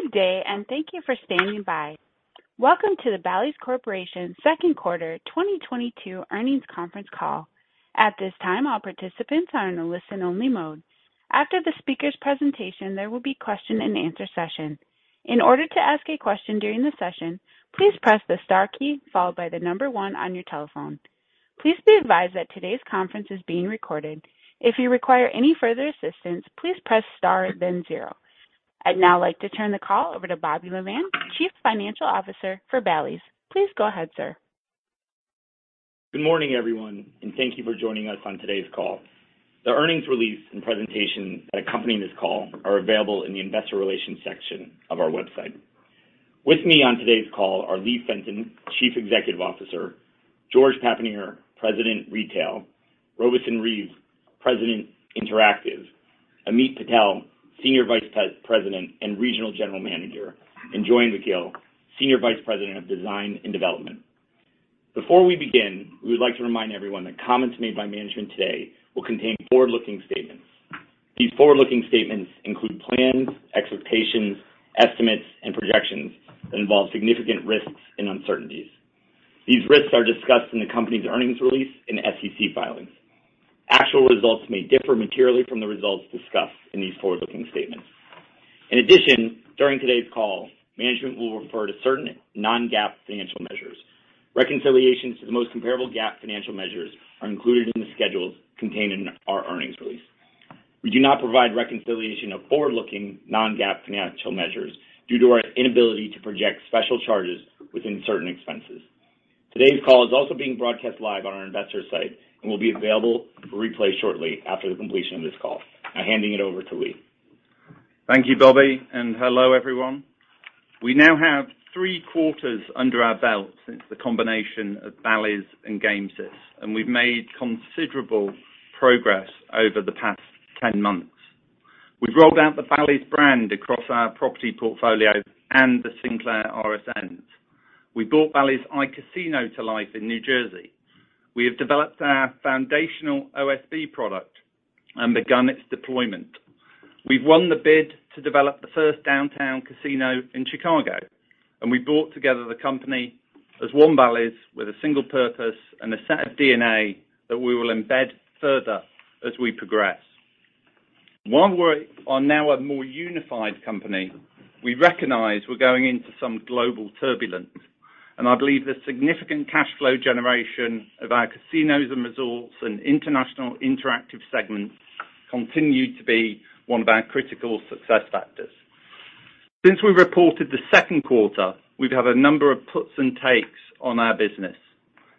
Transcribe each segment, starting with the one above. Good day, thank you for standing by. Welcome to the Bally's Corporation Second Quarter 2022 earnings conference call. At this time, all participants are in a listen only mode. After the speaker's presentation, there will be question and answer session. In order to ask a question during the session, please press the star key followed by the 1 on your telephone. Please be advised that today's conference is being recorded. If you require any further assistance, please press star then 0. I'd now like to turn the call over to Bobby Lavan, Chief Financial Officer for Bally's. Please go ahead, sir. Good morning, everyone, and thank you for joining us on today's call. The earnings release and presentation accompanying this call are available in the investor relations section of our website. With me on today's call are Lee Fenton, Chief Executive Officer, George Papanier, President, Retail, Robeson Reeves, President, Interactive, Ameet Patel, Senior Vice President and Regional General Manager, and Joyen Vakil, Senior Vice President of Design and Development. Before we begin, we would like to remind everyone that comments made by management today will contain forward-looking statements. These forward-looking statements include plans, expectations, estimates, and projections that involve significant risks and uncertainties. These risks are discussed in the company's earnings release and SEC filings. Actual results may differ materially from the results discussed in these forward-looking statements. In addition, during today's call, management will refer to certain non-GAAP financial measures. Reconciliations to the most comparable GAAP financial measures are included in the schedules contained in our earnings release. We do not provide reconciliation of forward-looking non-GAAP financial measures due to our inability to project special charges within certain expenses. Today's call is also being broadcast live on our investor site and will be available for replay shortly after the completion of this call. I'm handing it over to Lee. Thank you, Bobby, and hello, everyone. We now have three quarters under our belt since the combination of Bally's and Gamesys, and we've made considerable progress over the past 10 months. We've rolled out the Bally's brand across our property portfolio and the Sinclair RSNs. We brought Bally's iCasino to life in New Jersey. We have developed our foundational OSB product and begun its deployment. We've won the bid to develop the first downtown casino in Chicago, and we brought together the company as one Bally's with a single purpose and a set of DNA that we will embed further as we progress. While we're now a more unified company, we recognize we're going into some global turbulence, and I believe the significant cash flow generation of our casinos and resorts and international interactive segments continue to be one of our critical success factors. Since we reported the Second Quarter, we've had a number of puts and takes on our business.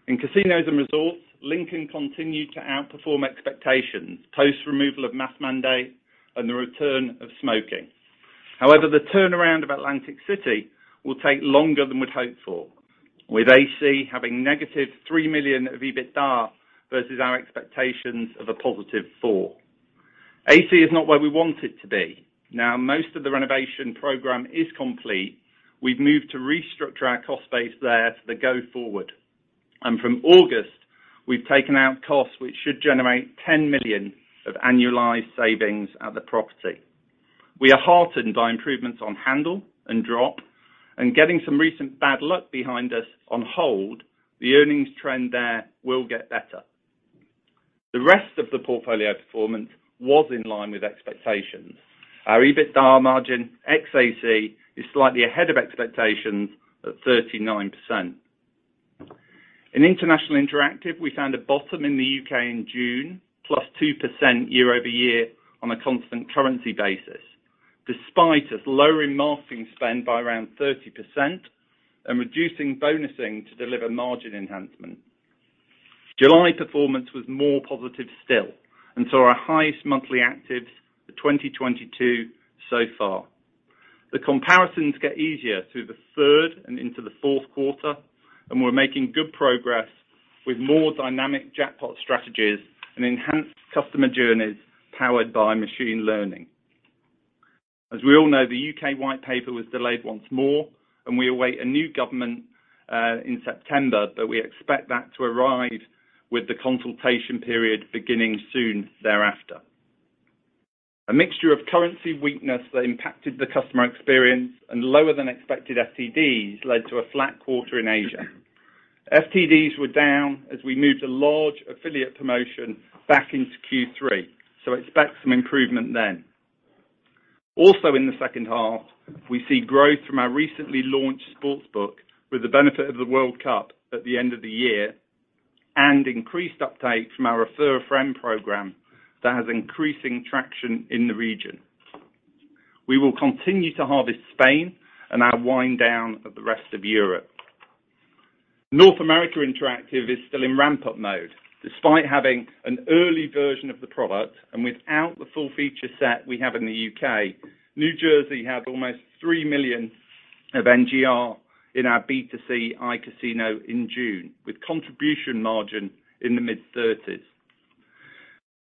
In casinos and resorts, Lincoln continued to outperform expectations, post removal of mask mandate and the return of smoking. However, the turnaround of Atlantic City will take longer than we'd hoped for, with AC having negative $3 million of EBITDA versus our expectations of a positive $4 million. AC is not where we want it to be. Now, most of the renovation program is complete. We've moved to restructure our cost base there for the go forward, and from August, we've taken out costs which should generate $10 million of annualized savings at the property. We are heartened by improvements on handle and drop and getting some recent bad luck behind us on hold. The earnings trend there will get better. The rest of the portfolio performance was in line with expectations. Our EBITDA margin ex-AC is slightly ahead of expectations at 39%. In international interactive, we found a bottom in the U.K. in June, +2% year-over-year on a constant currency basis, despite us lowering marketing spend by around 30% and reducing bonusing to deliver margin enhancement. July performance was more positive still and saw our highest monthly actives for 2022 so far. The comparisons get easier through the Third and into the Fourth Quarter, and we're making good progress with more dynamic jackpot strategies and enhanced customer journeys powered by machine learning. As we all know, the U.K. White Paper was delayed once more, and we await a new government in September, but we expect that to arrive with the consultation period beginning soon thereafter. A mixture of currency weakness that impacted the customer experience and lower than expected FTDs led to a flat quarter in Asia. FTDs were down as we moved a large affiliate promotion back into Q3, so expect some improvement then. Also in the second half, we see growth from our recently launched sportsbook with the benefit of the World Cup at the end of the year and increased uptake from our Refer a Friend program that has increasing traction in the region. We will continue to harvest Spain and our wind down of the rest of Europe. North America interactive is still in ramp-up mode. Despite having an early version of the product and without the full feature set we have in the U.K., New Jersey had almost $3 million of NGR in our B2C iCasino in June, with contribution margin in the mid-30s%.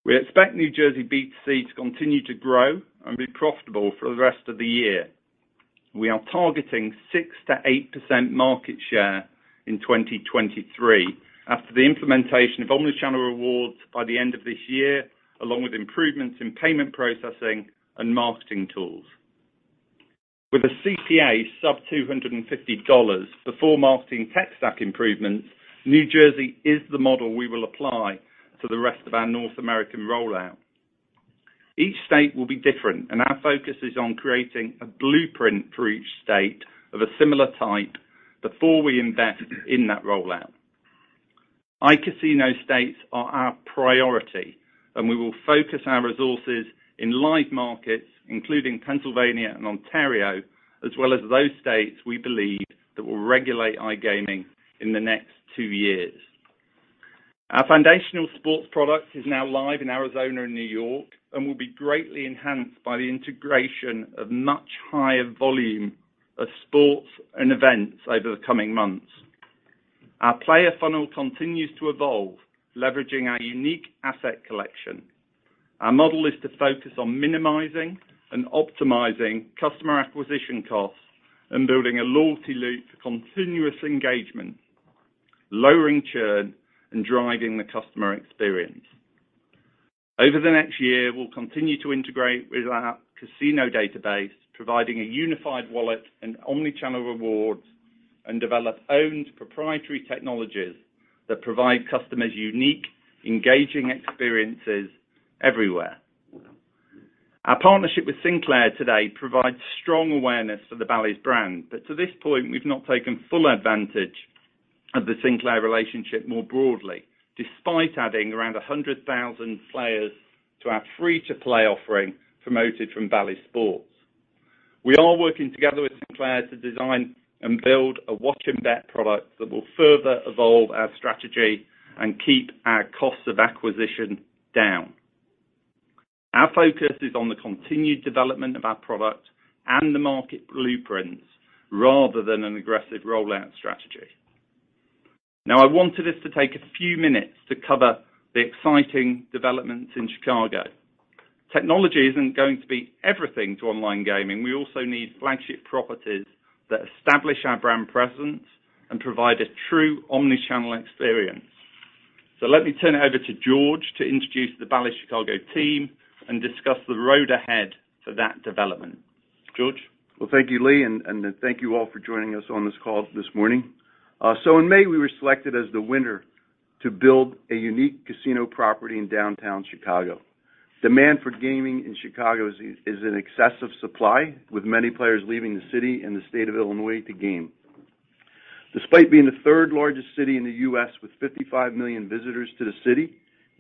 We expect New Jersey B2C to continue to grow and be profitable for the rest of the year. We are targeting 6%-8% market share in 2023 after the implementation of omni-channel rewards by the end of this year, along with improvements in payment processing and marketing tools. With a CPA sub $250 before marketing tech stack improvements, New Jersey is the model we will apply to the rest of our North American rollout. Each state will be different, and our focus is on creating a blueprint for each state of a similar type before we invest in that rollout. iCasino states are our priority, and we will focus our resources in live markets, including Pennsylvania and Ontario, as well as those states we believe that will regulate iGaming in the next 2 years. Our foundational sports product is now live in Arizona and New York and will be greatly enhanced by the integration of much higher volume of sports and events over the coming months. Our player funnel continues to evolve, leveraging our unique asset collection. Our model is to focus on minimizing and optimizing customer acquisition costs and building a loyalty loop for continuous engagement, lowering churn, and driving the customer experience. Over the next year, we'll continue to integrate with our casino database, providing a unified wallet and omnichannel rewards, and develop owned proprietary technologies that provide customers unique, engaging experiences everywhere. Our partnership with Sinclair today provides strong awareness for the Bally's brand, but to this point, we've not taken full advantage of the Sinclair relationship more broadly, despite adding around 100,000 players to our free-to-play offering promoted from Bally Sports. We are working together with Sinclair to design and build a watch and bet product that will further evolve our strategy and keep our cost of acquisition down. Our focus is on the continued development of our product and the market blueprints rather than an aggressive rollout strategy. Now, I wanted us to take a few minutes to cover the exciting developments in Chicago. Technology isn't going to be everything to online gaming. We also need flagship properties that establish our brand presence and provide a true omnichannel experience. Let me turn it over to George to introduce the Bally's Chicago team and discuss the road ahead for that development. George? Well, thank you, Lee, and thank you all for joining us on this call this morning. In May, we were selected as the winner to build a unique casino property in downtown Chicago. Demand for gaming in Chicago is in excess of supply, with many players leaving the city and the state of Illinois to game. Despite being the third-largest city in the U.S. with 55 million visitors to the city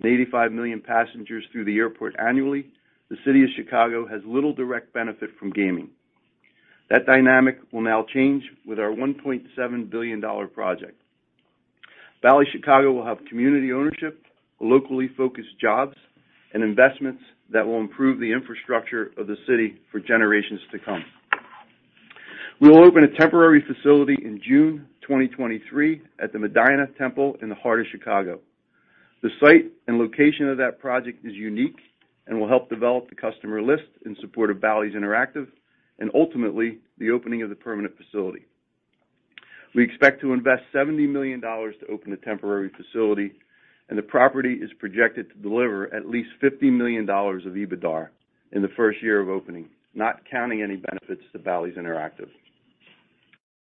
and 85 million passengers through the airport annually, the city of Chicago has little direct benefit from gaming. That dynamic will now change with our $1.7 billion project. Bally's Chicago will have community ownership, locally focused jobs, and investments that will improve the infrastructure of the city for generations to come. We will open a temporary facility in June 2023 at the Medinah Temple in the heart of Chicago. The site and location of that project is unique and will help develop the customer list in support of Bally's Interactive and ultimately the opening of the permanent facility. We expect to invest $70 million to open the temporary facility, and the property is projected to deliver at least $50 million of EBITDAR in the first year of opening, not counting any benefits to Bally's Interactive.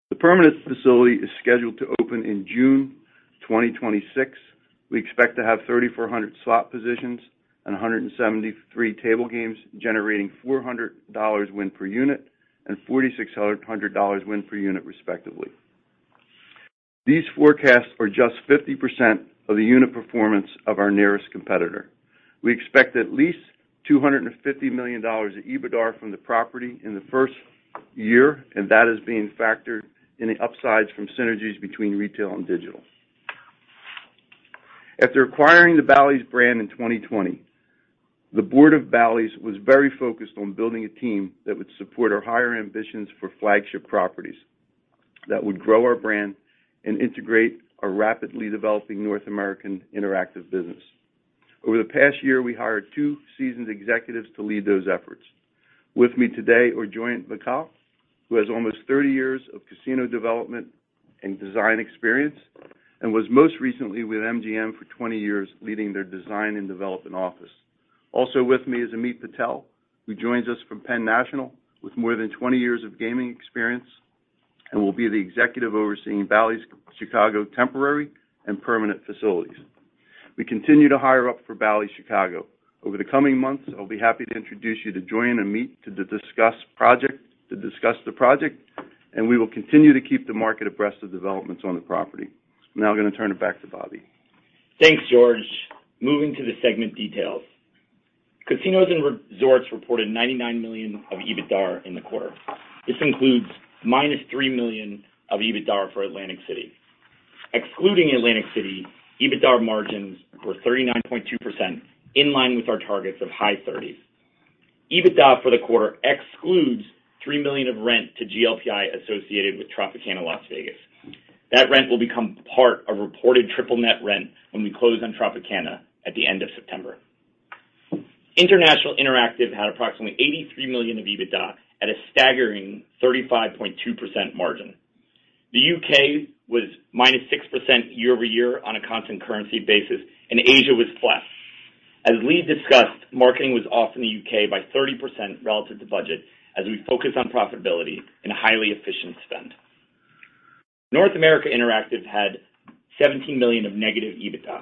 The permanent facility is scheduled to open in June 2026. We expect to have 3,400 slot positions and 173 table games, generating $400 win per unit and $4,600 win per unit respectively. These forecasts are just 50% of the unit performance of our nearest competitor. We expect at least $250 million of EBITDAR from the property in the first year, and that is being factored in the upsides from synergies between retail and digital. After acquiring the Bally's brand in 2020, the board of Bally's was very focused on building a team that would support our higher ambitions for flagship properties that would grow our brand and integrate a rapidly developing North American interactive business. Over the past year, we hired two seasoned executives to lead those efforts. With me today are Joyen Vakil, who has almost 30 years of casino development and design experience and was most recently with MGM for 20 years, leading their design and development office. Also with me is Ameet Patel, who joins us from Penn National with more than 20 years of gaming experience and will be the executive overseeing Bally's Chicago temporary and permanent facilities. We continue to hire up for Bally's Chicago. Over the coming months, I'll be happy to introduce you to Joyen Vakil and Ameet Patel to discuss the project, and we will continue to keep the market abreast of developments on the property. Now I'm gonna turn it back to Bobby. Thanks, George. Moving to the segment details. Casinos and resorts reported $99 million of EBITDAR in the quarter. This includes -$3 million of EBITDAR for Atlantic City. Excluding Atlantic City, EBITDAR margins were 39.2%, in line with our targets of high 30s. EBITDA for the quarter excludes $3 million of rent to GLPI associated with Tropicana Las Vegas. That rent will become part of reported triple net rent when we close on Tropicana at the end of September. International Interactive had approximately $83 million of EBITDA at a staggering 35.2% margin. The U.K. was -6% year-over-year on a constant currency basis, and Asia was flat. As Lee discussed, marketing was off in the U.K. by 30% relative to budget as we focused on profitability and highly efficient spend. North America Interactive had $17 million of negative EBITDA.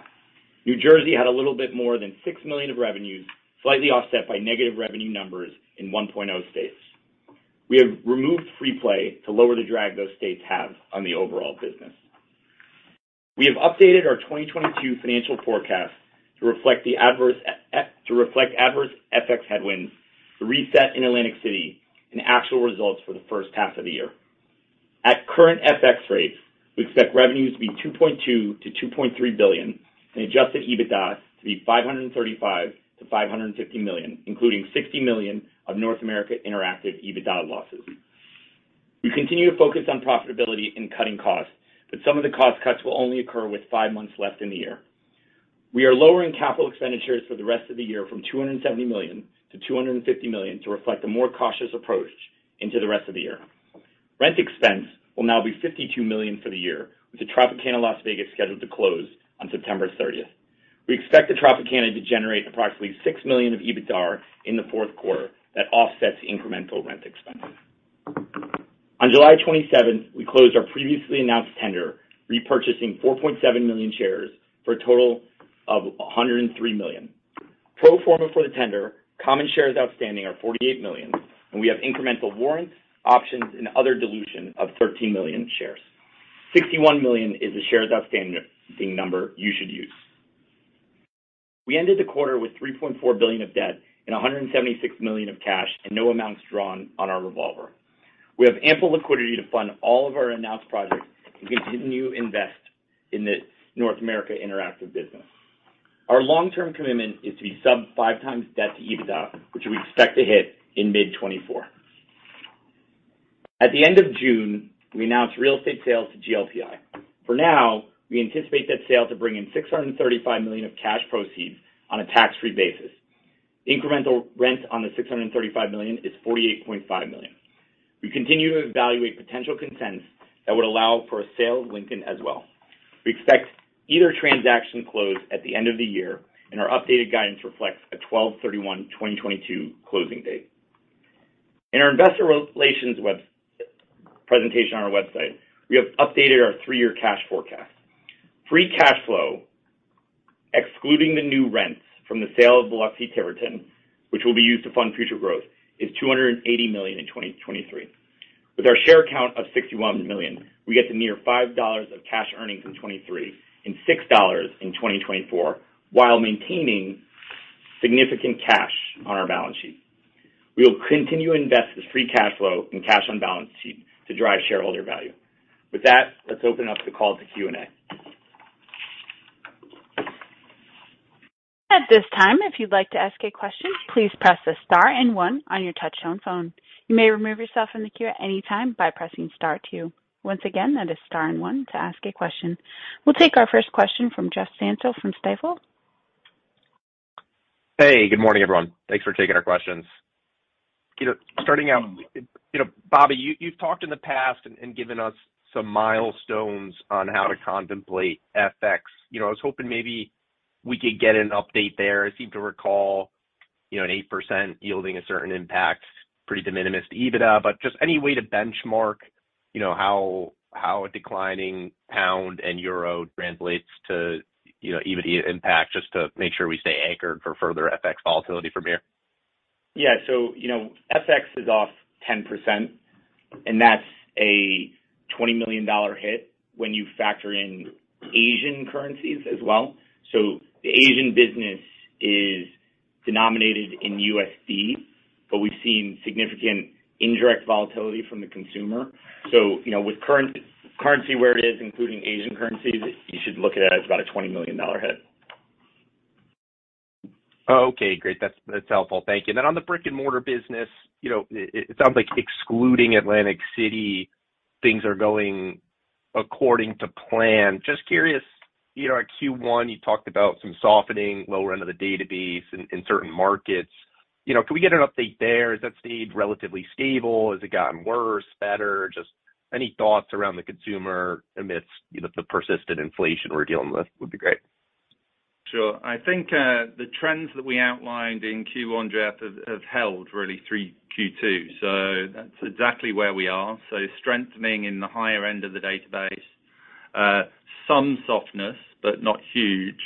New Jersey had a little bit more than $6 million of revenues, slightly offset by negative revenue numbers in 1.0 states. We have removed free play to lower the drag those states have on the overall business. We have updated our 2022 financial forecast to reflect the adverse FX headwinds, the reset in Atlantic City, and actual results for the first half of the year. At current FX rates, we expect revenues to be $2.2 billion-$2.3 billion and adjusted EBITDA to be $535 million-$550 million, including $60 million of North America Interactive EBITDA losses. We continue to focus on profitability and cutting costs, but some of the cost cuts will only occur with five months left in the year. We are lowering capital expenditures for the rest of the year from $270 million to $250 million to reflect a more cautious approach into the rest of the year. Rent expense will now be $52 million for the year, with the Tropicana Las Vegas scheduled to close on September thirtieth. We expect the Tropicana to generate approximately $6 million of EBITDAR in the Fourth Quarter that offsets incremental rent expenses. On July 27, we closed our previously announced tender, repurchasing 4.7 million shares for a total of $103 million. Pro forma for the tender, common shares outstanding are 48 million, and we have incremental warrants, options, and other dilution of 13 million shares. 61 million is the shares outstanding number you should use. We ended the quarter with $3.4 billion of debt and $176 million of cash and no amounts drawn on our revolver. We have ample liquidity to fund all of our announced projects and continue to invest in the North America Interactive business. Our long-term commitment is to be sub-5x debt to EBITDA, which we expect to hit in mid-2024. At the end of June, we announced real estate sales to GLPI. For now, we anticipate that sale to bring in $635 million of cash proceeds on a tax-free basis. Incremental rent on the $635 million is $48.5 million. We continue to evaluate potential consents that would allow for a sale of Lincoln as well. We expect either transaction closed at the end of the year, and our updated guidance reflects a 12/31/2022 closing date. In our investor relations web presentation on our website, we have updated our three-year cash forecast. Free cash flow, excluding the new rents from the sale of the Bally's Tiverton, which will be used to fund future growth, is $280 million in 2023. With our share count of 61 million, we get to near $5 of cash earnings in 2023 and $6 in 2024, while maintaining significant cash on our balance sheet. We will continue to invest this free cash flow and cash on balance sheet to drive shareholder value. With that, let's open up the call to Q&A. At this time, if you'd like to ask a question, please press the star and one on your touchtone phone. You may remove yourself from the queue at any time by pressing star two. Once again, that is star and one to ask a question. We'll take our first question from Jeffrey Stantial from Stifel. Hey, good morning, everyone. Thanks for taking our questions. You know, starting out, you know, Bobby, you've talked in the past and given us some milestones on how to contemplate FX. You know, I was hoping maybe we could get an update there. I seem to recall, you know, an 8% yielding a certain impact, pretty de minimis to EBITDA. Just any way to benchmark, you know, how a declining pound and euro translates to, you know, EBITDA impact, just to make sure we stay anchored for further FX volatility from here. Yeah. You know, FX is off 10%, and that's a $20 million hit when you factor in Asian currencies as well. The Asian business is denominated in USD, but we've seen significant indirect volatility from the consumer. You know, with current currency where it is, including Asian currencies, you should look at it as about a $20 million hit. Okay, great. That's helpful. Thank you. On the brick-and-mortar business, you know, it sounds like excluding Atlantic City, things are going according to plan. Just curious, you know, at Q1, you talked about some softening lower end of the database in certain markets. You know, can we get an update there? Has that stayed relatively stable? Has it gotten worse, better? Just any thoughts around the consumer amidst, you know, the persistent inflation we're dealing with would be great. Sure. I think the trends that we outlined in Q1, Jeff, have held really through Q2. That's exactly where we are. Strengthening in the higher end of the database. Some softness, but not huge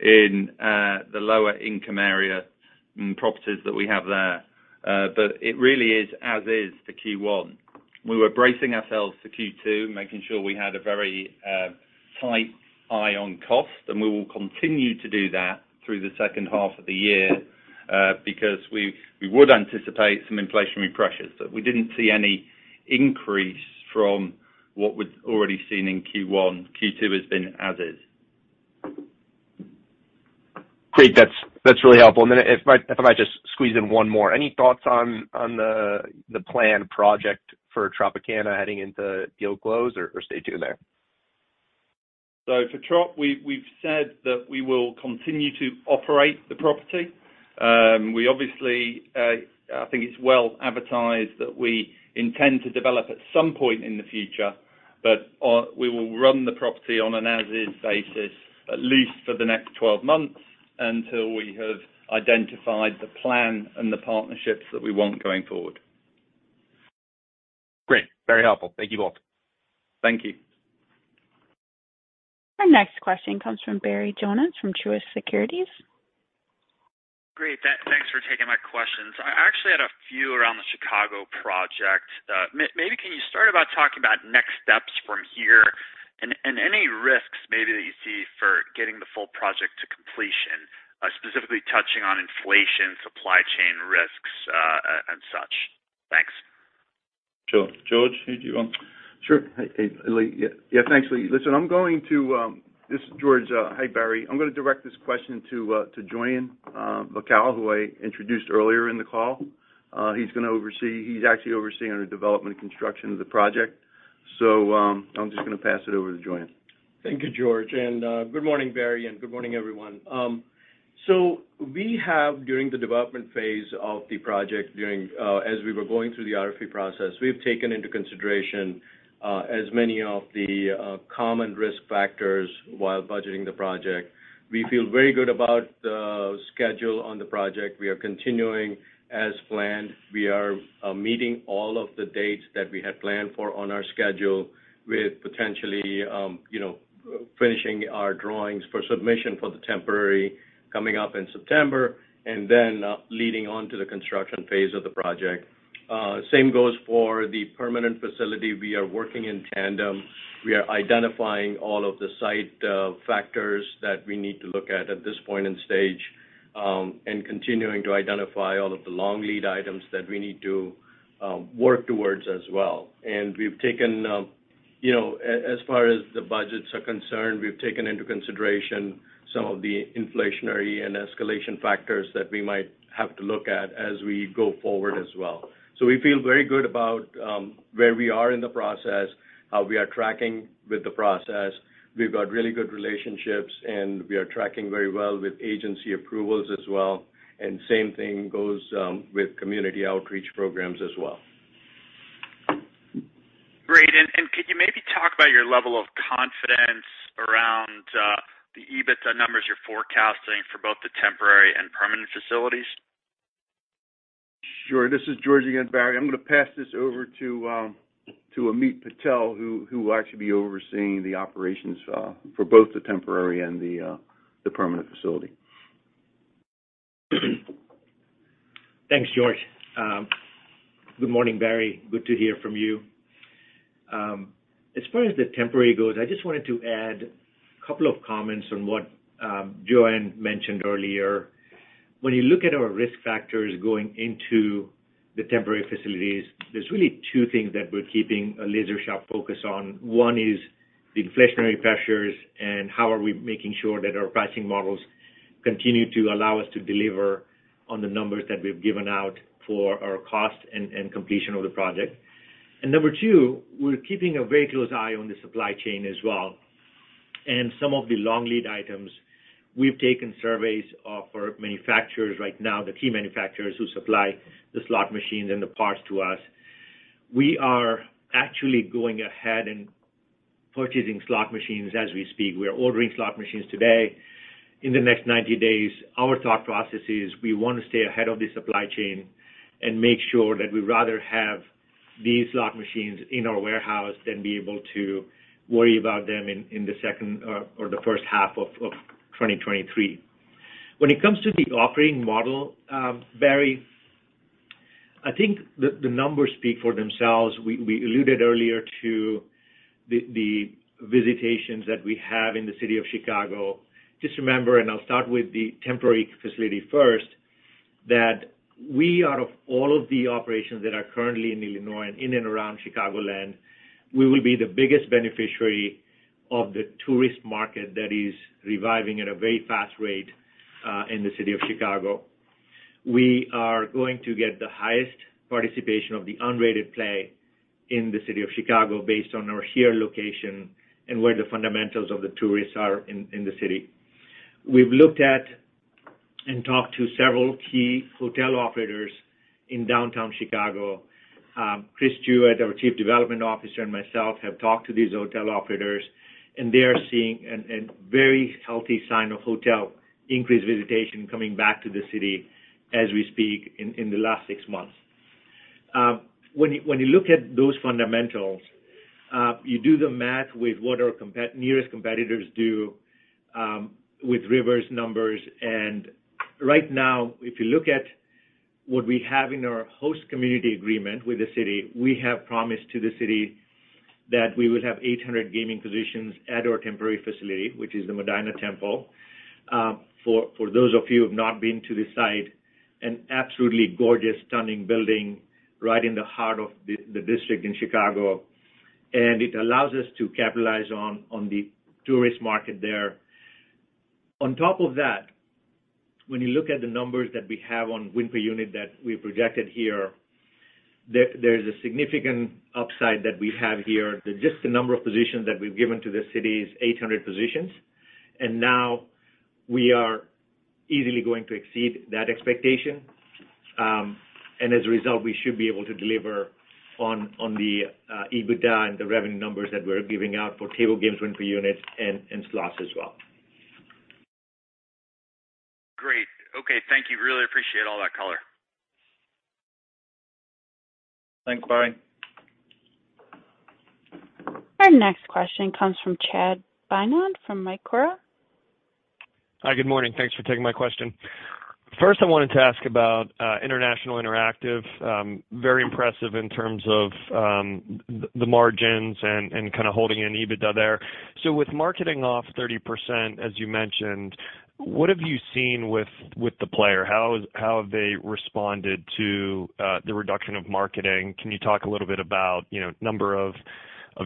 in the lower income area and properties that we have there. It really is as is to Q1. We were bracing ourselves for Q2, making sure we had a very tight eye on cost, and we will continue to do that through the second half of the year, because we would anticipate some inflationary pressures. We didn't see any increase from what we'd already seen in Q1. Q2 has been as is. Great. That's really helpful. Then if I might just squeeze in one more. Any thoughts on the plan project for Tropicana heading into deal close or stay tuned there? For Trop, we've said that we will continue to operate the property. We obviously, I think it's well advertised that we intend to develop at some point in the future, but we will run the property on an as-is basis, at least for the next 12 months, until we have identified the plan and the partnerships that we want going forward. Great. Very helpful. Thank you both. Thank you. Our next question comes from Barry Jonas from Truist Securities. Great, thanks for taking my questions. I actually had a few around the Chicago project. Maybe can you start about talking about next steps from here and any risks maybe that you see for getting the full project to completion, specifically touching on inflation, supply chain risks, and such. Thanks. Sure. George, who do you want? Sure. Hey, Lee. Yeah. Yeah, thanks, Lee. Listen. This is George. Hi, Barry. I'm gonna direct this question to Joyen Vakil, who I introduced earlier in the call. He's actually overseeing the development and construction of the project. I'm just gonna pass it over to Joyen Vakil. Thank you, George. Good morning, Barry, and good morning, everyone. We have, during the development phase of the project, as we were going through the RFP process, we've taken into consideration as many of the common risk factors while budgeting the project. We feel very good about the schedule on the project. We are continuing as planned. We are meeting all of the dates that we had planned for on our schedule with potentially you know, finishing our drawings for submission for the temporary coming up in September and then leading on to the construction phase of the project. Same goes for the permanent facility. We are working in tandem. We are identifying all of the site factors that we need to look at at this point in stage, and continuing to identify all of the long lead items that we need to work towards as well. We've taken you know as far as the budgets are concerned, we've taken into consideration some of the inflationary and escalation factors that we might have to look at as we go forward as well. We feel very good about where we are in the process, how we are tracking with the process. We've got really good relationships, and we are tracking very well with agency approvals as well. Same thing goes with community outreach programs as well. Great. Could you maybe talk about your level of confidence around the EBITDA numbers you're forecasting for both the temporary and permanent facilities? Sure. This is George again, Barry. I'm gonna pass this over to Ameet Patel, who will actually be overseeing the operations for both the temporary and the permanent facility. Thanks, George. Good morning, Barry. Good to hear from you. As far as the temporary goes, I just wanted to add a couple of comments on what Joyen mentioned earlier. When you look at our risk factors going into the temporary facilities, there's really two things that we're keeping a laser-sharp focus on. One is the inflationary pressures and how are we making sure that our pricing models continue to allow us to deliver on the numbers that we've given out for our cost and completion of the project. Number two, we're keeping a very close eye on the supply chain as well. Some of the long lead items, we've taken surveys of our manufacturers right now, the key manufacturers who supply the slot machines and the parts to us. We are actually going ahead and purchasing slot machines as we speak. We are ordering slot machines today. In the next 90 days, our thought process is we wanna stay ahead of the supply chain and make sure that we rather have these slot machines in our warehouse than be able to worry about them in the second or the first half of 2023. When it comes to the operating model, Barry, I think the numbers speak for themselves. We alluded earlier to the visitations that we have in the city of Chicago. Just remember, I'll start with the temporary facility first, that we out of all of the operations that are currently in Illinois and around Chicagoland, we will be the biggest beneficiary of the tourist market that is reviving at a very fast rate in the city of Chicago. We are going to get the highest participation of the unrated play in the city of Chicago based on our here location and where the fundamentals of the tourists are in the city. We've looked at and talked to several key hotel operators in downtown Chicago. Chris Jewett, our Chief Development Officer, and myself have talked to these hotel operators, and they are seeing a very healthy sign of hotel increased visitation coming back to the city as we speak in the last 6 months. When you look at those fundamentals, you do the math with what our nearest competitors do, with Rivers numbers. Right now, if you look at what we have in our host community agreement with the city, we have promised to the city that we will have 800 gaming positions at our temporary facility, which is the Medinah Temple. For those of you who've not been to the site, an absolutely gorgeous, stunning building right in the heart of the district in Chicago. It allows us to capitalize on the tourist market there. On top of that, when you look at the numbers that we have on win per unit that we've projected here, there is a significant upside that we have here. Just the number of positions that we've given to the city is 800 positions, and now we are easily going to exceed that expectation. As a result, we should be able to deliver on the EBITDA and the revenue numbers that we're giving out for table games win per units and slots as well. Great. Okay. Thank you. Really appreciate all that color. Thanks, Barry. Our next question comes from Chad Beynon from Macquarie. Hi, good morning. Thanks for taking my question. First, I wanted to ask about Bally's Interactive, very impressive in terms of the margins and kinda holding an EBITDA there. With marketing off 30%, as you mentioned, what have you seen with the player? How have they responded to the reduction of marketing? Can you talk a little bit about, you know, number of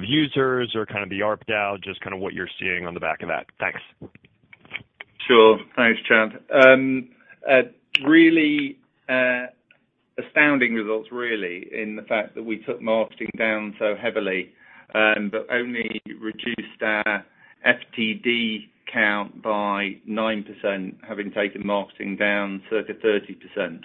users or kind of the ARPDAU, just kind of what you're seeing on the back of that. Thanks. Sure. Thanks, Chad. Really, astounding results, really, in the fact that we took marketing down so heavily, but only reduced our FTD count by 9%, having taken marketing down circa 30%.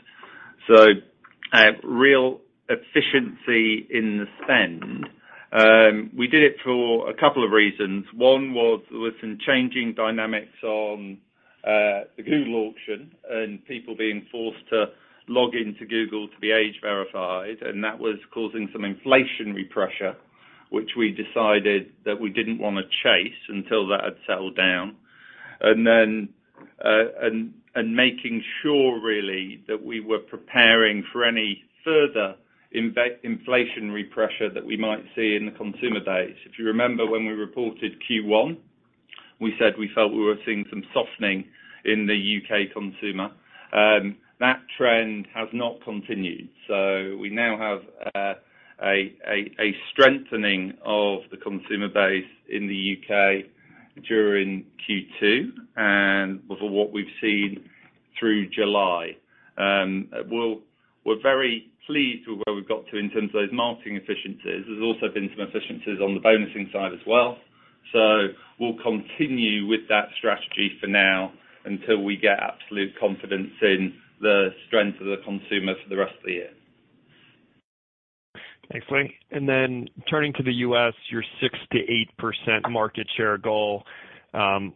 Real efficiency in the spend. We did it for a couple of reasons. One was with some changing dynamics on the Google auction and people being forced to log in to Google to be age verified, and that was causing some inflationary pressure, which we decided that we didn't wanna chase until that had settled down. Making sure really that we were preparing for any further inflationary pressure that we might see in the consumer base. If you remember when we reported Q1, we said we felt we were seeing some softening in the U.K. consumer. That trend has not continued. We now have a strengthening of the consumer base in the U.K. during Q2 and with what we've seen through July. We're very pleased with where we've got to in terms of those marketing efficiencies. There's also been some efficiencies on the bonusing side as well. We'll continue with that strategy for now until we get absolute confidence in the strength of the consumer for the rest of the year. Thanks, Lee. Turning to the U.S., your 6%-8% market share goal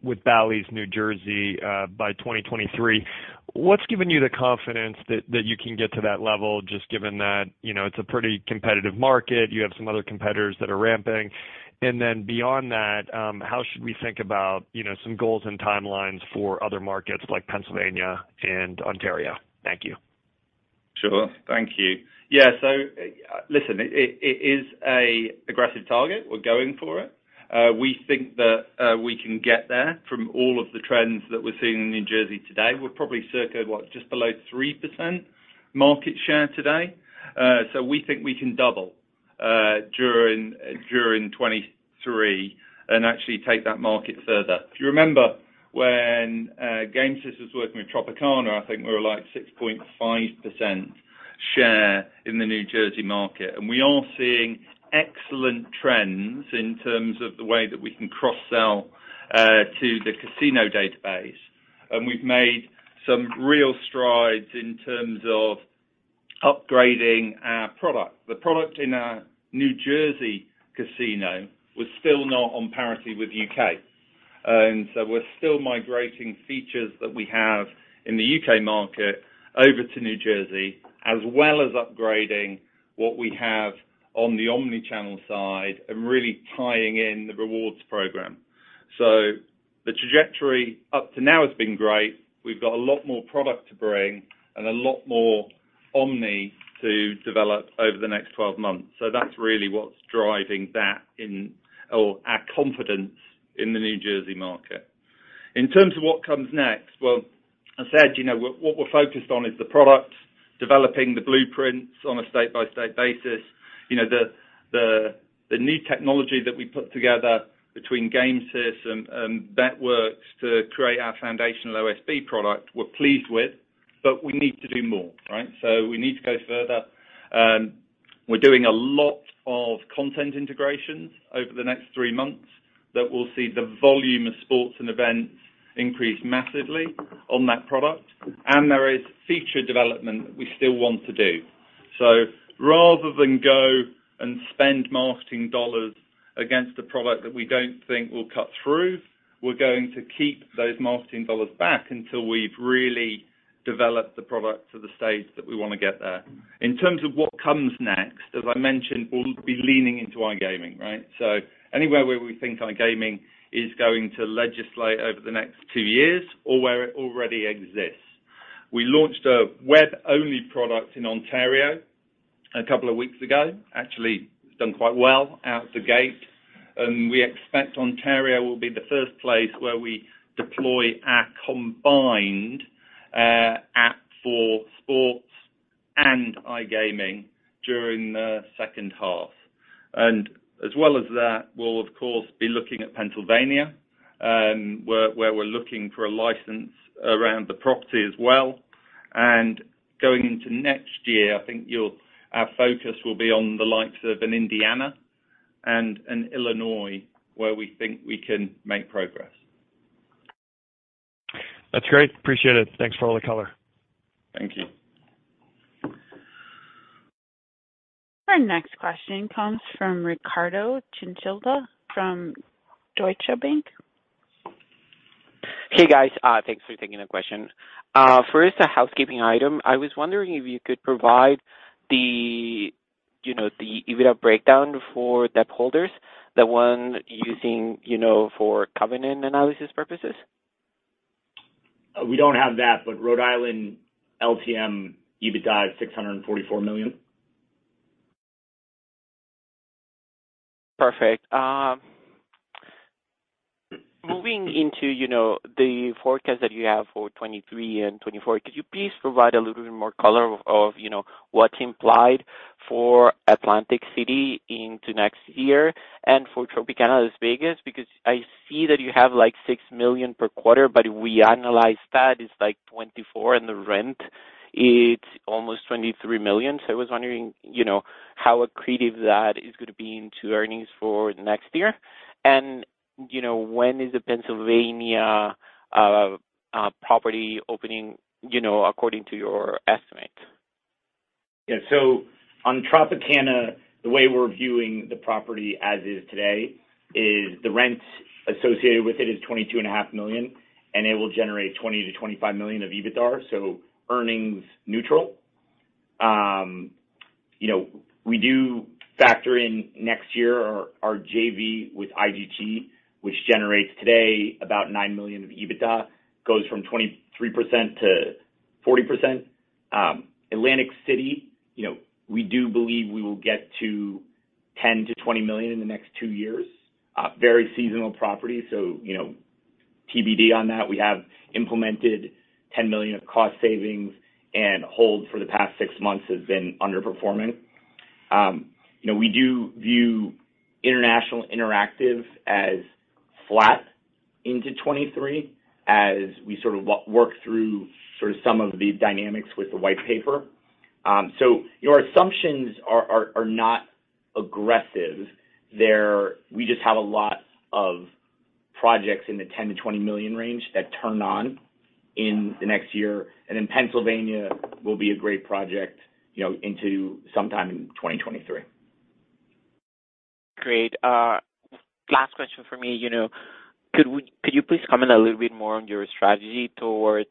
with Bally's New Jersey by 2023. What's given you the confidence that you can get to that level just given that, you know, it's a pretty competitive market, you have some other competitors that are ramping. Beyond that, how should we think about, you know, some goals and timelines for other markets like Pennsylvania and Ontario? Thank you. Sure. Thank you. Yeah, so, listen, it is an aggressive target. We're going for it. We think that we can get there from all of the trends that we're seeing in New Jersey today. We're probably circa, what, just below 3% market share today. So we think we can double during 2023 and actually take that market further. If you remember when Gamesys was working with Tropicana, I think we were like 6.5% share in the New Jersey market. We are seeing excellent trends in terms of the way that we can cross-sell to the casino database. We've made some real strides in terms of upgrading our product. The product in our New Jersey casino was still not on parity with U.K. We're still migrating features that we have in the U.K. market over to New Jersey, as well as upgrading what we have on the omnichannel side and really tying in the rewards program. The trajectory up to now has been great. We've got a lot more product to bring and a lot more omni to develop over the next 12 months. That's really what's driving that in our confidence in the New Jersey market. In terms of what comes next, well, I said, you know, what we're focused on is the product, developing the blueprints on a state-by-state basis. You know, the new technology that we put together between Gamesys and Bet.Works to create our foundational OSB product, we're pleased with, but we need to do more, right? We need to go further. We're doing a lot of content integrations over the next three months that will see the volume of sports and events increase massively on that product. There is feature development that we still want to do. Rather than go and spend marketing dollars against a product that we don't think will cut through, we're going to keep those marketing dollars back until we've really developed the product to the stage that we wanna get there. In terms of what comes next, as I mentioned, we'll be leaning into iGaming, right? Anywhere where we think iGaming is going to legislate over the next two years or where it already exists. We launched a web-only product in Ontario a couple of weeks ago, actually it's done quite well out the gate, and we expect Ontario will be the first place where we deploy our combined, Sports and iGaming during the second half. As well as that, we'll of course be looking at Pennsylvania, where we're looking for a license around the property as well. Going into next year, I think our focus will be on the likes of an Indiana and an Illinois, where we think we can make progress. That's great. Appreciate it. Thanks for all the color. Thank you. Our next question comes from Carlo Santarelli from Deutsche Bank. Hey, guys. Thanks for taking the question. First, a housekeeping item. I was wondering if you could provide the, you know, the EBITDA breakdown for debt holders, the one using, you know, for covenant analysis purposes. We don't have that, but Rhode Island LTM EBITDA is $644 million. Perfect. Moving into, you know, the forecast that you have for 2023 and 2024, could you please provide a little bit more color of, you know, what's implied for Atlantic City into next year and for Tropicana Las Vegas? Because I see that you have, like, $6 million per quarter, but we analyze that, it's like $24 million, and the rent, it's almost $23 million. I was wondering, you know, how accretive that is gonna be into earnings for next year. You know, when is the Pennsylvania property opening, you know, according to your estimate? Yeah. On Tropicana, the way we're viewing the property as is today is the rent associated with it is $22.5 million, and it will generate $20-25 million of EBITDAR, so earnings neutral. You know, we do factor in next year our JV with IGT, which generates today about $9 million of EBITDA, goes from 23% to 40%. Atlantic City, you know, we do believe we will get to $10-20 million in the next two years. Very seasonal property, so, you know, TBD on that. We have implemented $10 million of cost savings, and Holdco the past six months has been underperforming. You know, we do view international interactive as flat into 2023 as we sort of work through sort of some of the dynamics with the white paper. Your assumptions are not aggressive. We just have a lot of projects in the $10 million-$20 million range that turn on in the next year. Pennsylvania will be a great project, you know, into sometime in 2023. Great. Last question for me. You know, could you please comment a little bit more on your strategy towards,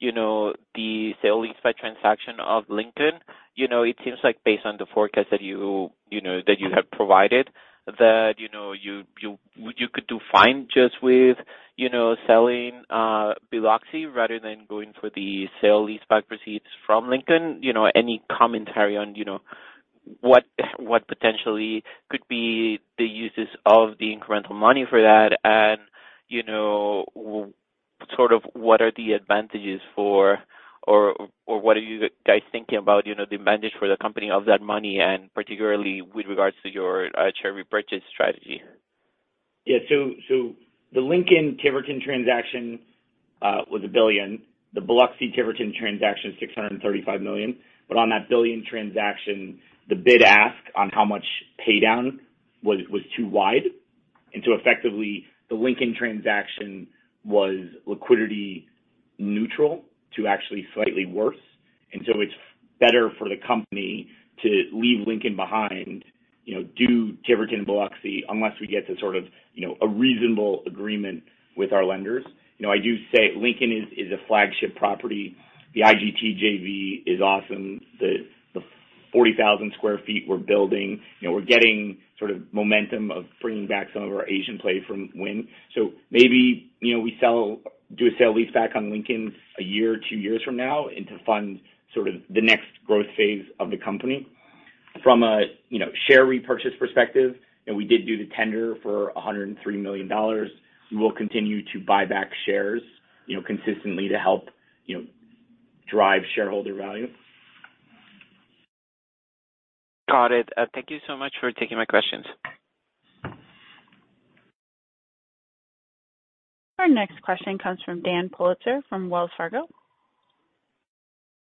you know, the sale leaseback transaction of Lincoln? You know, it seems like based on the forecast that you know, that you have provided, that you know, you could do fine just with you know, selling Biloxi rather than going for the sale leaseback proceeds from Lincoln. You know, any commentary on you know, what potentially could be the uses of the incremental money for that and you know, what sort of what are the advantages for or what are you guys thinking about you know, the advantage for the company of that money and particularly with regards to your share repurchase strategy? Yeah. The Lincoln Tiverton transaction was $1 billion. The Biloxi Tiverton transaction, $635 million. On that $1 billion transaction, the bid ask on how much pay down was too wide. Effectively, the Lincoln transaction was liquidity neutral to actually slightly worse. It's better for the company to leave Lincoln behind, you know, do Tiverton Biloxi unless we get to sort of, you know, a reasonable agreement with our lenders. You know, I do say Lincoln is a flagship property. The IGT JV is awesome. The 40,000 sq ft we're building, you know, we're getting sort of momentum of bringing back some of our Asian play from Wynn. Maybe, you know, we do a sale leaseback on Lincoln a year or two years from now and to fund sort of the next growth phase of the company. From a, you know, share repurchase perspective, you know, we did do the tender for $103 million. We will continue to buy back shares, you know, consistently to help, you know, drive shareholder value. Got it. Thank you so much for taking my questions. Our next question comes from Dan Politzer from Wells Fargo.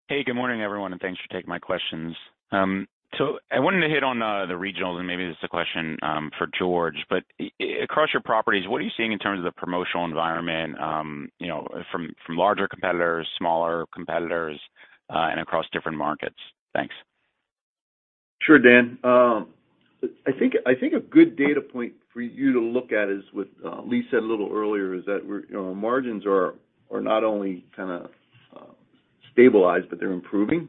Hey, good morning, everyone, and thanks for taking my questions. I wanted to hit on the regionals, and maybe this is a question for George. Across your properties, what are you seeing in terms of the promotional environment, you know, from larger competitors, smaller competitors, and across different markets? Thanks. Sure, Dan. I think a good data point for you to look at is what Lee said a little earlier, is that we're you know margins are not only kinda stabilized, but they're improving.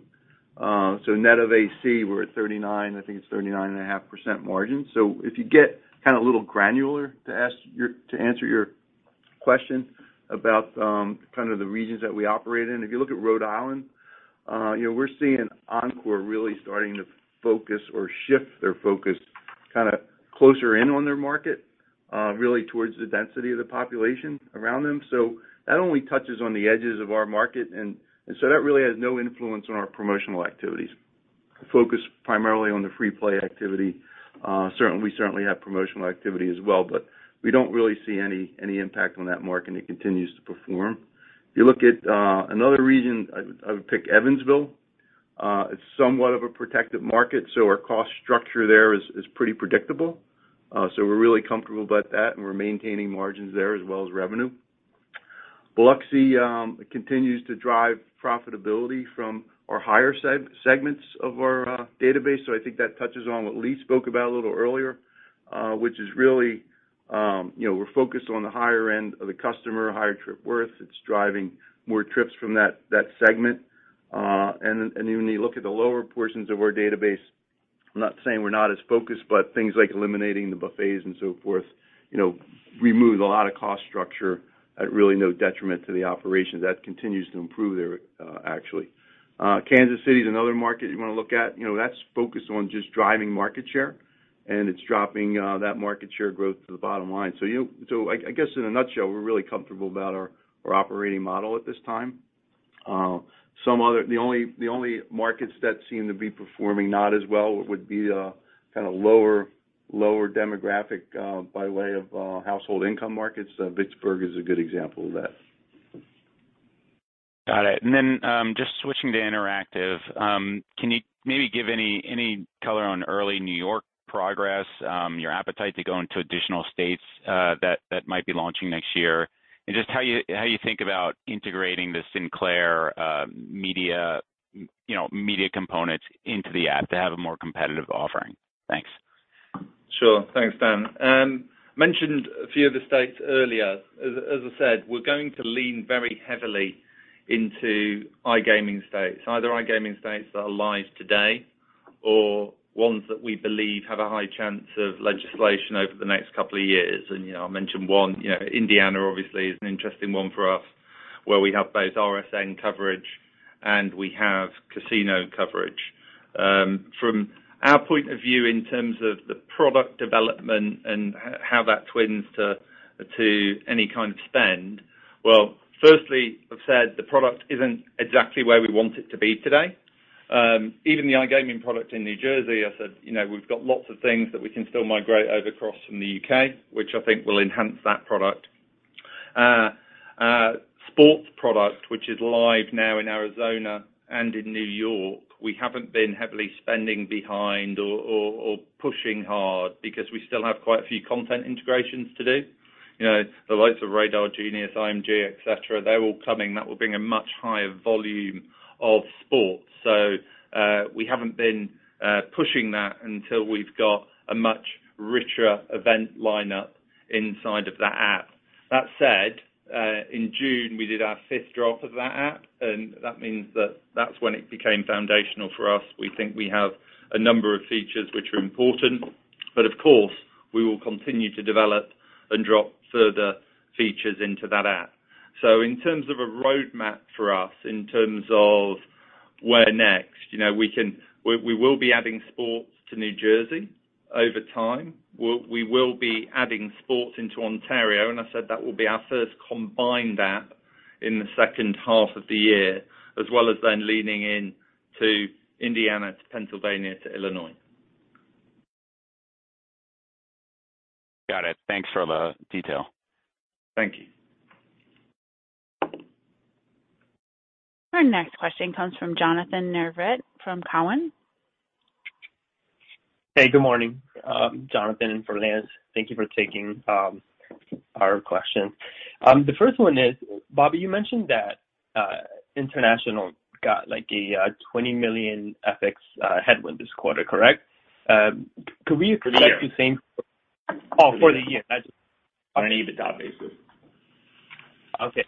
Net of AC, we're at 39%, I think it's 39.5% margin. If you get kinda a little granular to answer your question about kind of the regions that we operate in, if you look at Rhode Island, you know, we're seeing Encore really starting to focus or shift their focus kinda closer in on their market. Really towards the density of the population around them. That only touches on the edges of our market, and so that really has no influence on our promotional activities. We focus primarily on the free play activity. We certainly have promotional activity as well, but we don't really see any impact on that market, and it continues to perform. If you look at another region, I would pick Evansville. It's somewhat of a protected market, so our cost structure there is pretty predictable. We're really comfortable about that, and we're maintaining margins there as well as revenue. Biloxi continues to drive profitability from our higher segments of our database. I think that touches on what Lee spoke about a little earlier, which is really, you know, we're focused on the higher end of the customer, higher trip worth. It's driving more trips from that segment. Even when you look at the lower portions of our database, I'm not saying we're not as focused, but things like eliminating the buffets and so forth, you know, removes a lot of cost structure at really no detriment to the operations. That continues to improve there, actually. Kansas City is another market you wanna look at. You know, that's focused on just driving market share, and it's dropping that market share growth to the bottom line. I guess in a nutshell, we're really comfortable about our operating model at this time. Some other The only markets that seem to be performing not as well would be the kinda lower demographic, by way of, household income markets. Vicksburg is a good example of that. Got it. Just switching to interactive, can you maybe give any color on early New York progress, your appetite to go into additional states that might be launching next year? Just how you think about integrating the Sinclair media, you know, media components into the app to have a more competitive offering? Thanks. Sure. Thanks, Dan. Mentioned a few of the states earlier. As I said, we're going to lean very heavily into iGaming states, either iGaming states that are live today or ones that we believe have a high chance of legislation over the next couple of years. You know, I mentioned one. You know, Indiana obviously is an interesting one for us, where we have both RSN coverage and we have casino coverage. From our point of view in terms of the product development and how that ties to any kind of spend, well, firstly, I've said the product isn't exactly where we want it to be today. Even the iGaming product in New Jersey, I said, you know, we've got lots of things that we can still migrate over across from the U.K., which I think will enhance that product. Sports product, which is live now in Arizona and in New York, we haven't been heavily spending behind or pushing hard because we still have quite a few content integrations to do. You know, the likes of Sportradar, Genius Sports, IMG Arena, et cetera, they're all coming. That will bring a much higher volume of sports. We haven't been pushing that until we've got a much richer event lineup inside of that app. That said, in June, we did our fifth drop of that app, and that means that that's when it became foundational for us. We think we have a number of features which are important, but of course, we will continue to develop and drop further features into that app. In terms of a roadmap for us, in terms of where next, you know, we will be adding sports to New Jersey over time. We will be adding sports into Ontario, and I said that will be our first combined app in the second half of the year, as well as then leaning in to Indiana to Pennsylvania to Illinois. Got it. Thanks for the detail. Thank you. Our next question comes from Jonathan Navarrete from Cowen. Hey, good morning. Jonathan and for Lance, thank you for taking our question. The first one is, Bobby, you mentioned that international got like a $20 million FX headwind this quarter, correct? Could we expect the same- For the year. Oh, for the year. On an EBITDA basis. Okay.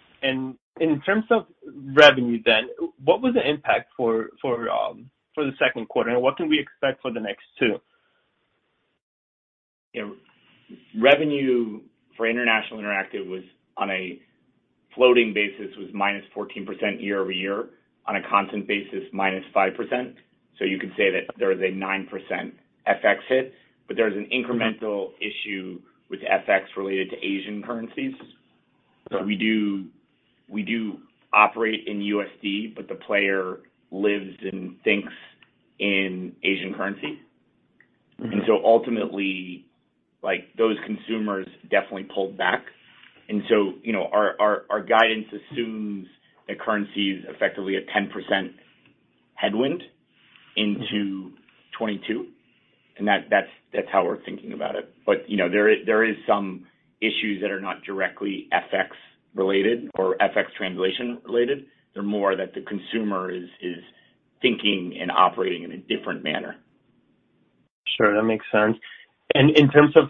In terms of revenue then, what was the impact for the Second Quarter, and what can we expect for the next two? You know, revenue for international interactive was on a floating basis, was minus 14% year-over-year, on a constant basis, minus 5%. You could say that there is a 9% FX hit, but there's an incremental issue with FX related to Asian currencies. We do operate in USD, but the player lives and thinks in Asian currency. Ultimately, like, those consumers definitely pulled back. You know, our guidance assumes that currency is effectively a 10% headwind into 2022. That's how we're thinking about it. You know, there is some issues that are not directly FX-related or FX translation-related. They're more that the consumer is thinking and operating in a different manner. Sure. That makes sense. In terms of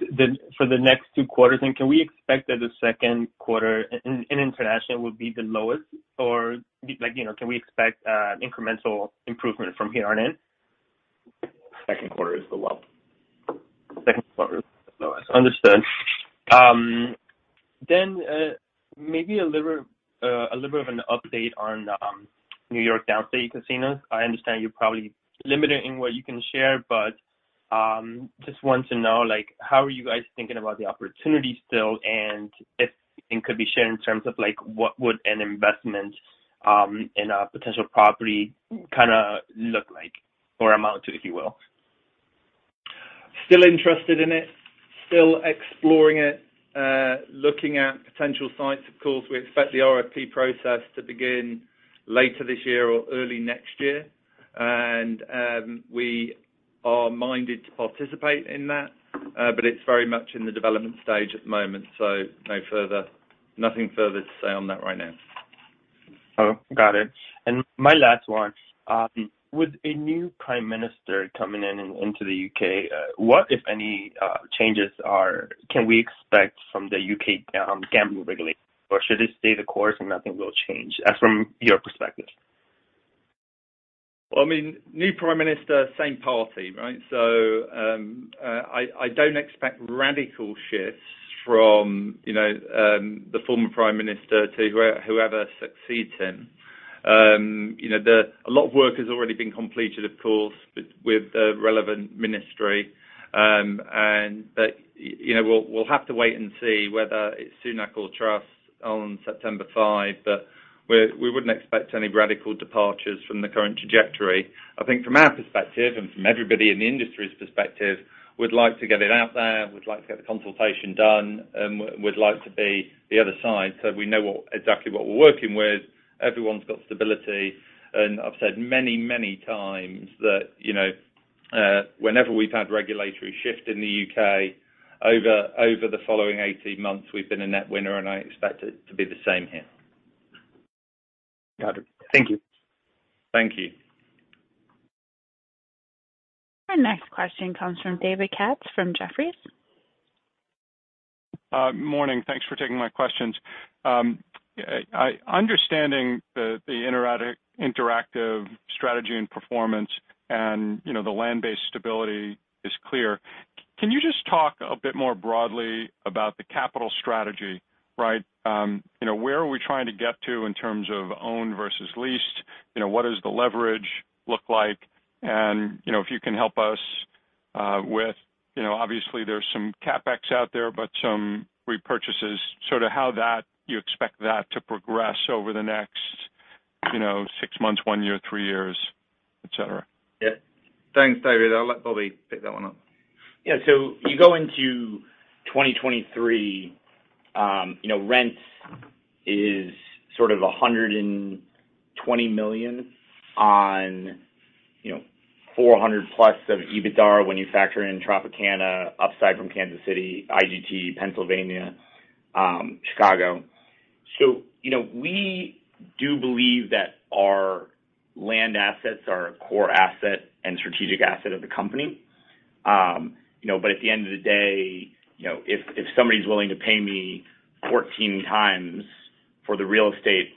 for the next two quarters then, can we expect that the Second Quarter in international would be the lowest or like, you know, can we expect incremental improvement from here on in? Second quarter is the low. Second quarter is the lowest. Understood. Maybe a little bit of an update on New York Downstate casinos. I understand you're probably limited in what you can share, but just want to know, like, how are you guys thinking about the opportunity still, and if it could be shared in terms of like, what would an investment in a potential property kinda look like or amount to, if you will? Still interested in it, still exploring it, looking at potential sites. Of course, we expect the RFP process to begin later this year or early next year. We are minded to participate in that, but it's very much in the development stage at the moment, so nothing further to say on that right now. Oh, got it. My last one. With a new prime minister coming in into the U.K., what, if any, changes can we expect from the U.K. gambling regulation, or should it stay the course and nothing will change from your perspective? Well, I mean, new prime minister, same party, right? I don't expect radical shifts from, you know, the former prime minister to whoever succeeds him. You know, a lot of work has already been completed, of course, with the relevant ministry, but, you know, we'll have to wait and see whether it's Sunak or Truss on September five, but we wouldn't expect any radical departures from the current trajectory. I think from our perspective and from everybody in the industry's perspective, we'd like to get it out there, we'd like to get the consultation done, we'd like to be on the other side so we know exactly what we're working with. Everyone's got stability. I've said many, many times that, you know, whenever we've had regulatory shift in the U.K. over the following 18 months, we've been a net winner and I expect it to be the same here. Got it. Thank you. Thank you. Our next question comes from David Katz from Jefferies. Morning, thanks for taking my questions. Understanding the interactive strategy and performance and, you know, the land-based stability is clear, can you just talk a bit more broadly about the capital strategy, right? You know, where are we trying to get to in terms of owned versus leased? You know, what does the leverage look like? You know, if you can help us, with, you know, obviously there's some CapEx out there, but some repurchases, sort of how that, you expect that to progress over the next, you know, six months, one year, three years, et cetera. Yeah. Thanks, David. I'll let Bobby pick that one up. Yeah. You go into 2023, you know, rents is sort of $120 million on, you know, $400+ million of EBITDA when you factor in Tropicana, upside from Kansas City, IGT, Pennsylvania, Chicago. You know, we do believe that our land assets are a core asset and strategic asset of the company. You know, but at the end of the day, you know, if somebody's willing to pay me 14x for the real estate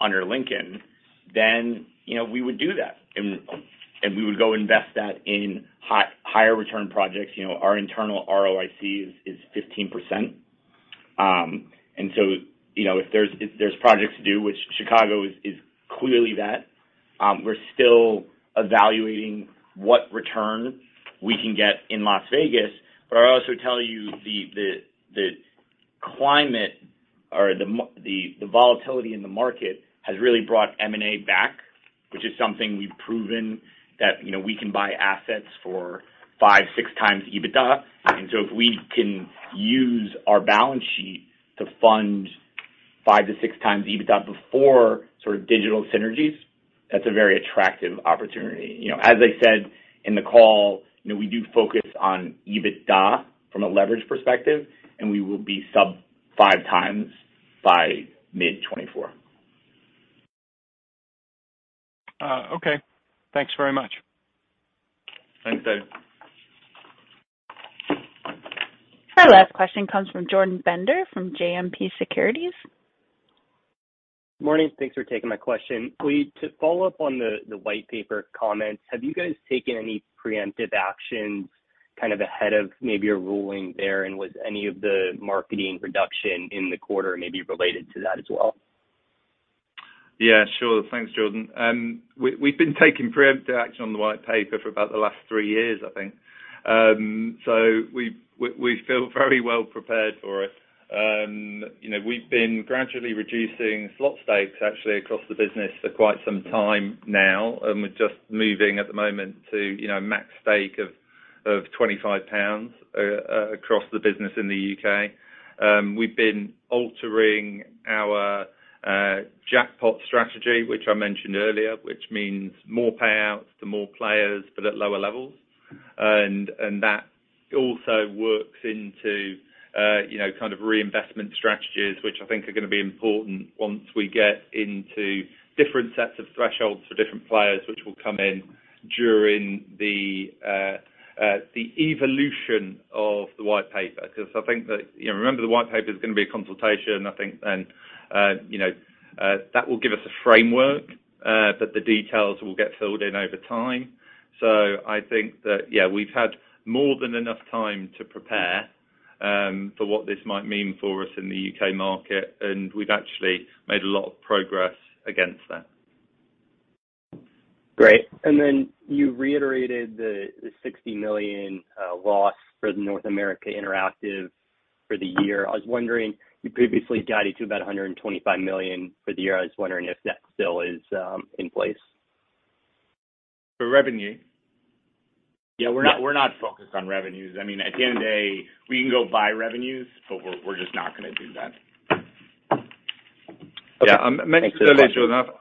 under Lincoln, then, you know, we would do that and we would go invest that in higher return projects. You know, our internal ROIC is 15%. You know, if there's projects to do, which Chicago is clearly that, we're still evaluating what return we can get in Las Vegas. I'll also tell you the climate or the volatility in the market has really brought M&A back, which is something we've proven that, you know, we can buy assets for 5-6 times EBITDA. If we can use our balance sheet to fund 5-6 times EBITDA before sort of digital synergies, that's a very attractive opportunity. You know, as I said in the call, you know, we do focus on EBITDA from a leverage perspective, and we will be sub 5 times by mid-2024. Okay. Thanks very much. Thanks, David. Our last question comes from Jordan Bender from JMP Securities. Morning. Thanks for taking my question. Lee, to follow up on the White Paper comments, have you guys taken any preemptive actions kind of ahead of maybe a ruling there? Was any of the marketing reduction in the quarter maybe related to that as well? Yeah, sure. Thanks, Jordan. We've been taking preemptive action on the White Paper for about the last 3 years, I think. We feel very well prepared for it. You know, we've been gradually reducing slot stakes actually across the business for quite some time now, and we're just moving at the moment to, you know, a max stake of 25 pounds across the business in the U.K. We've been altering our jackpot strategy, which I mentioned earlier, which means more payouts to more players, but at lower levels. That also works into, you know, kind of reinvestment strategies, which I think are gonna be important once we get into different sets of thresholds for different players, which will come in during the evolution of the White Paper. Because I think that. You know, remember the white paper is gonna be a consultation, I think, and, you know, that will give us a framework, but the details will get filled in over time. I think that, yeah, we've had more than enough time to prepare for what this might mean for us in the U.K. market, and we've actually made a lot of progress against that. You reiterated the $60 million loss for North America Interactive for the year. I was wondering, you previously guided to about $125 million for the year. I was wondering if that still is in place. For revenue? Yeah, we're not focused on revenues. I mean, at the end of the day, we can go buy revenues, but we're just not gonna do that. Yeah. Okay. Thanks for the comments. Maybe to elaborate on that.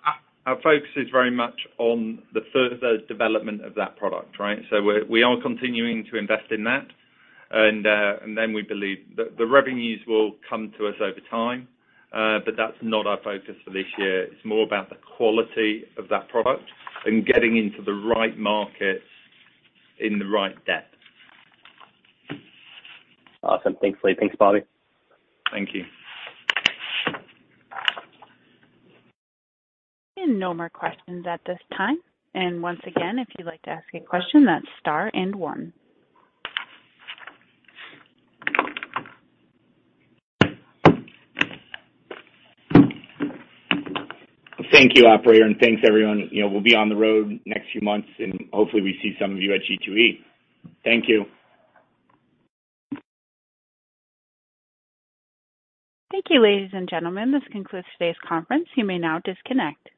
Our focus is very much on the further development of that product, right? We are continuing to invest in that. We believe the revenues will come to us over time, but that's not our focus for this year. It's more about the quality of that product and getting into the right markets in the right depth. Awesome. Thanks, Lee. Thanks, Bobby. Thank you. No more questions at this time. Once again, if you'd like to ask a question, that's star and one. Thank you, operator, and thanks, everyone. You know, we'll be on the road next few months, and hopefully we see some of you at G2E. Thank you. Thank you, ladies and gentlemen. This concludes today's conference. You may now disconnect.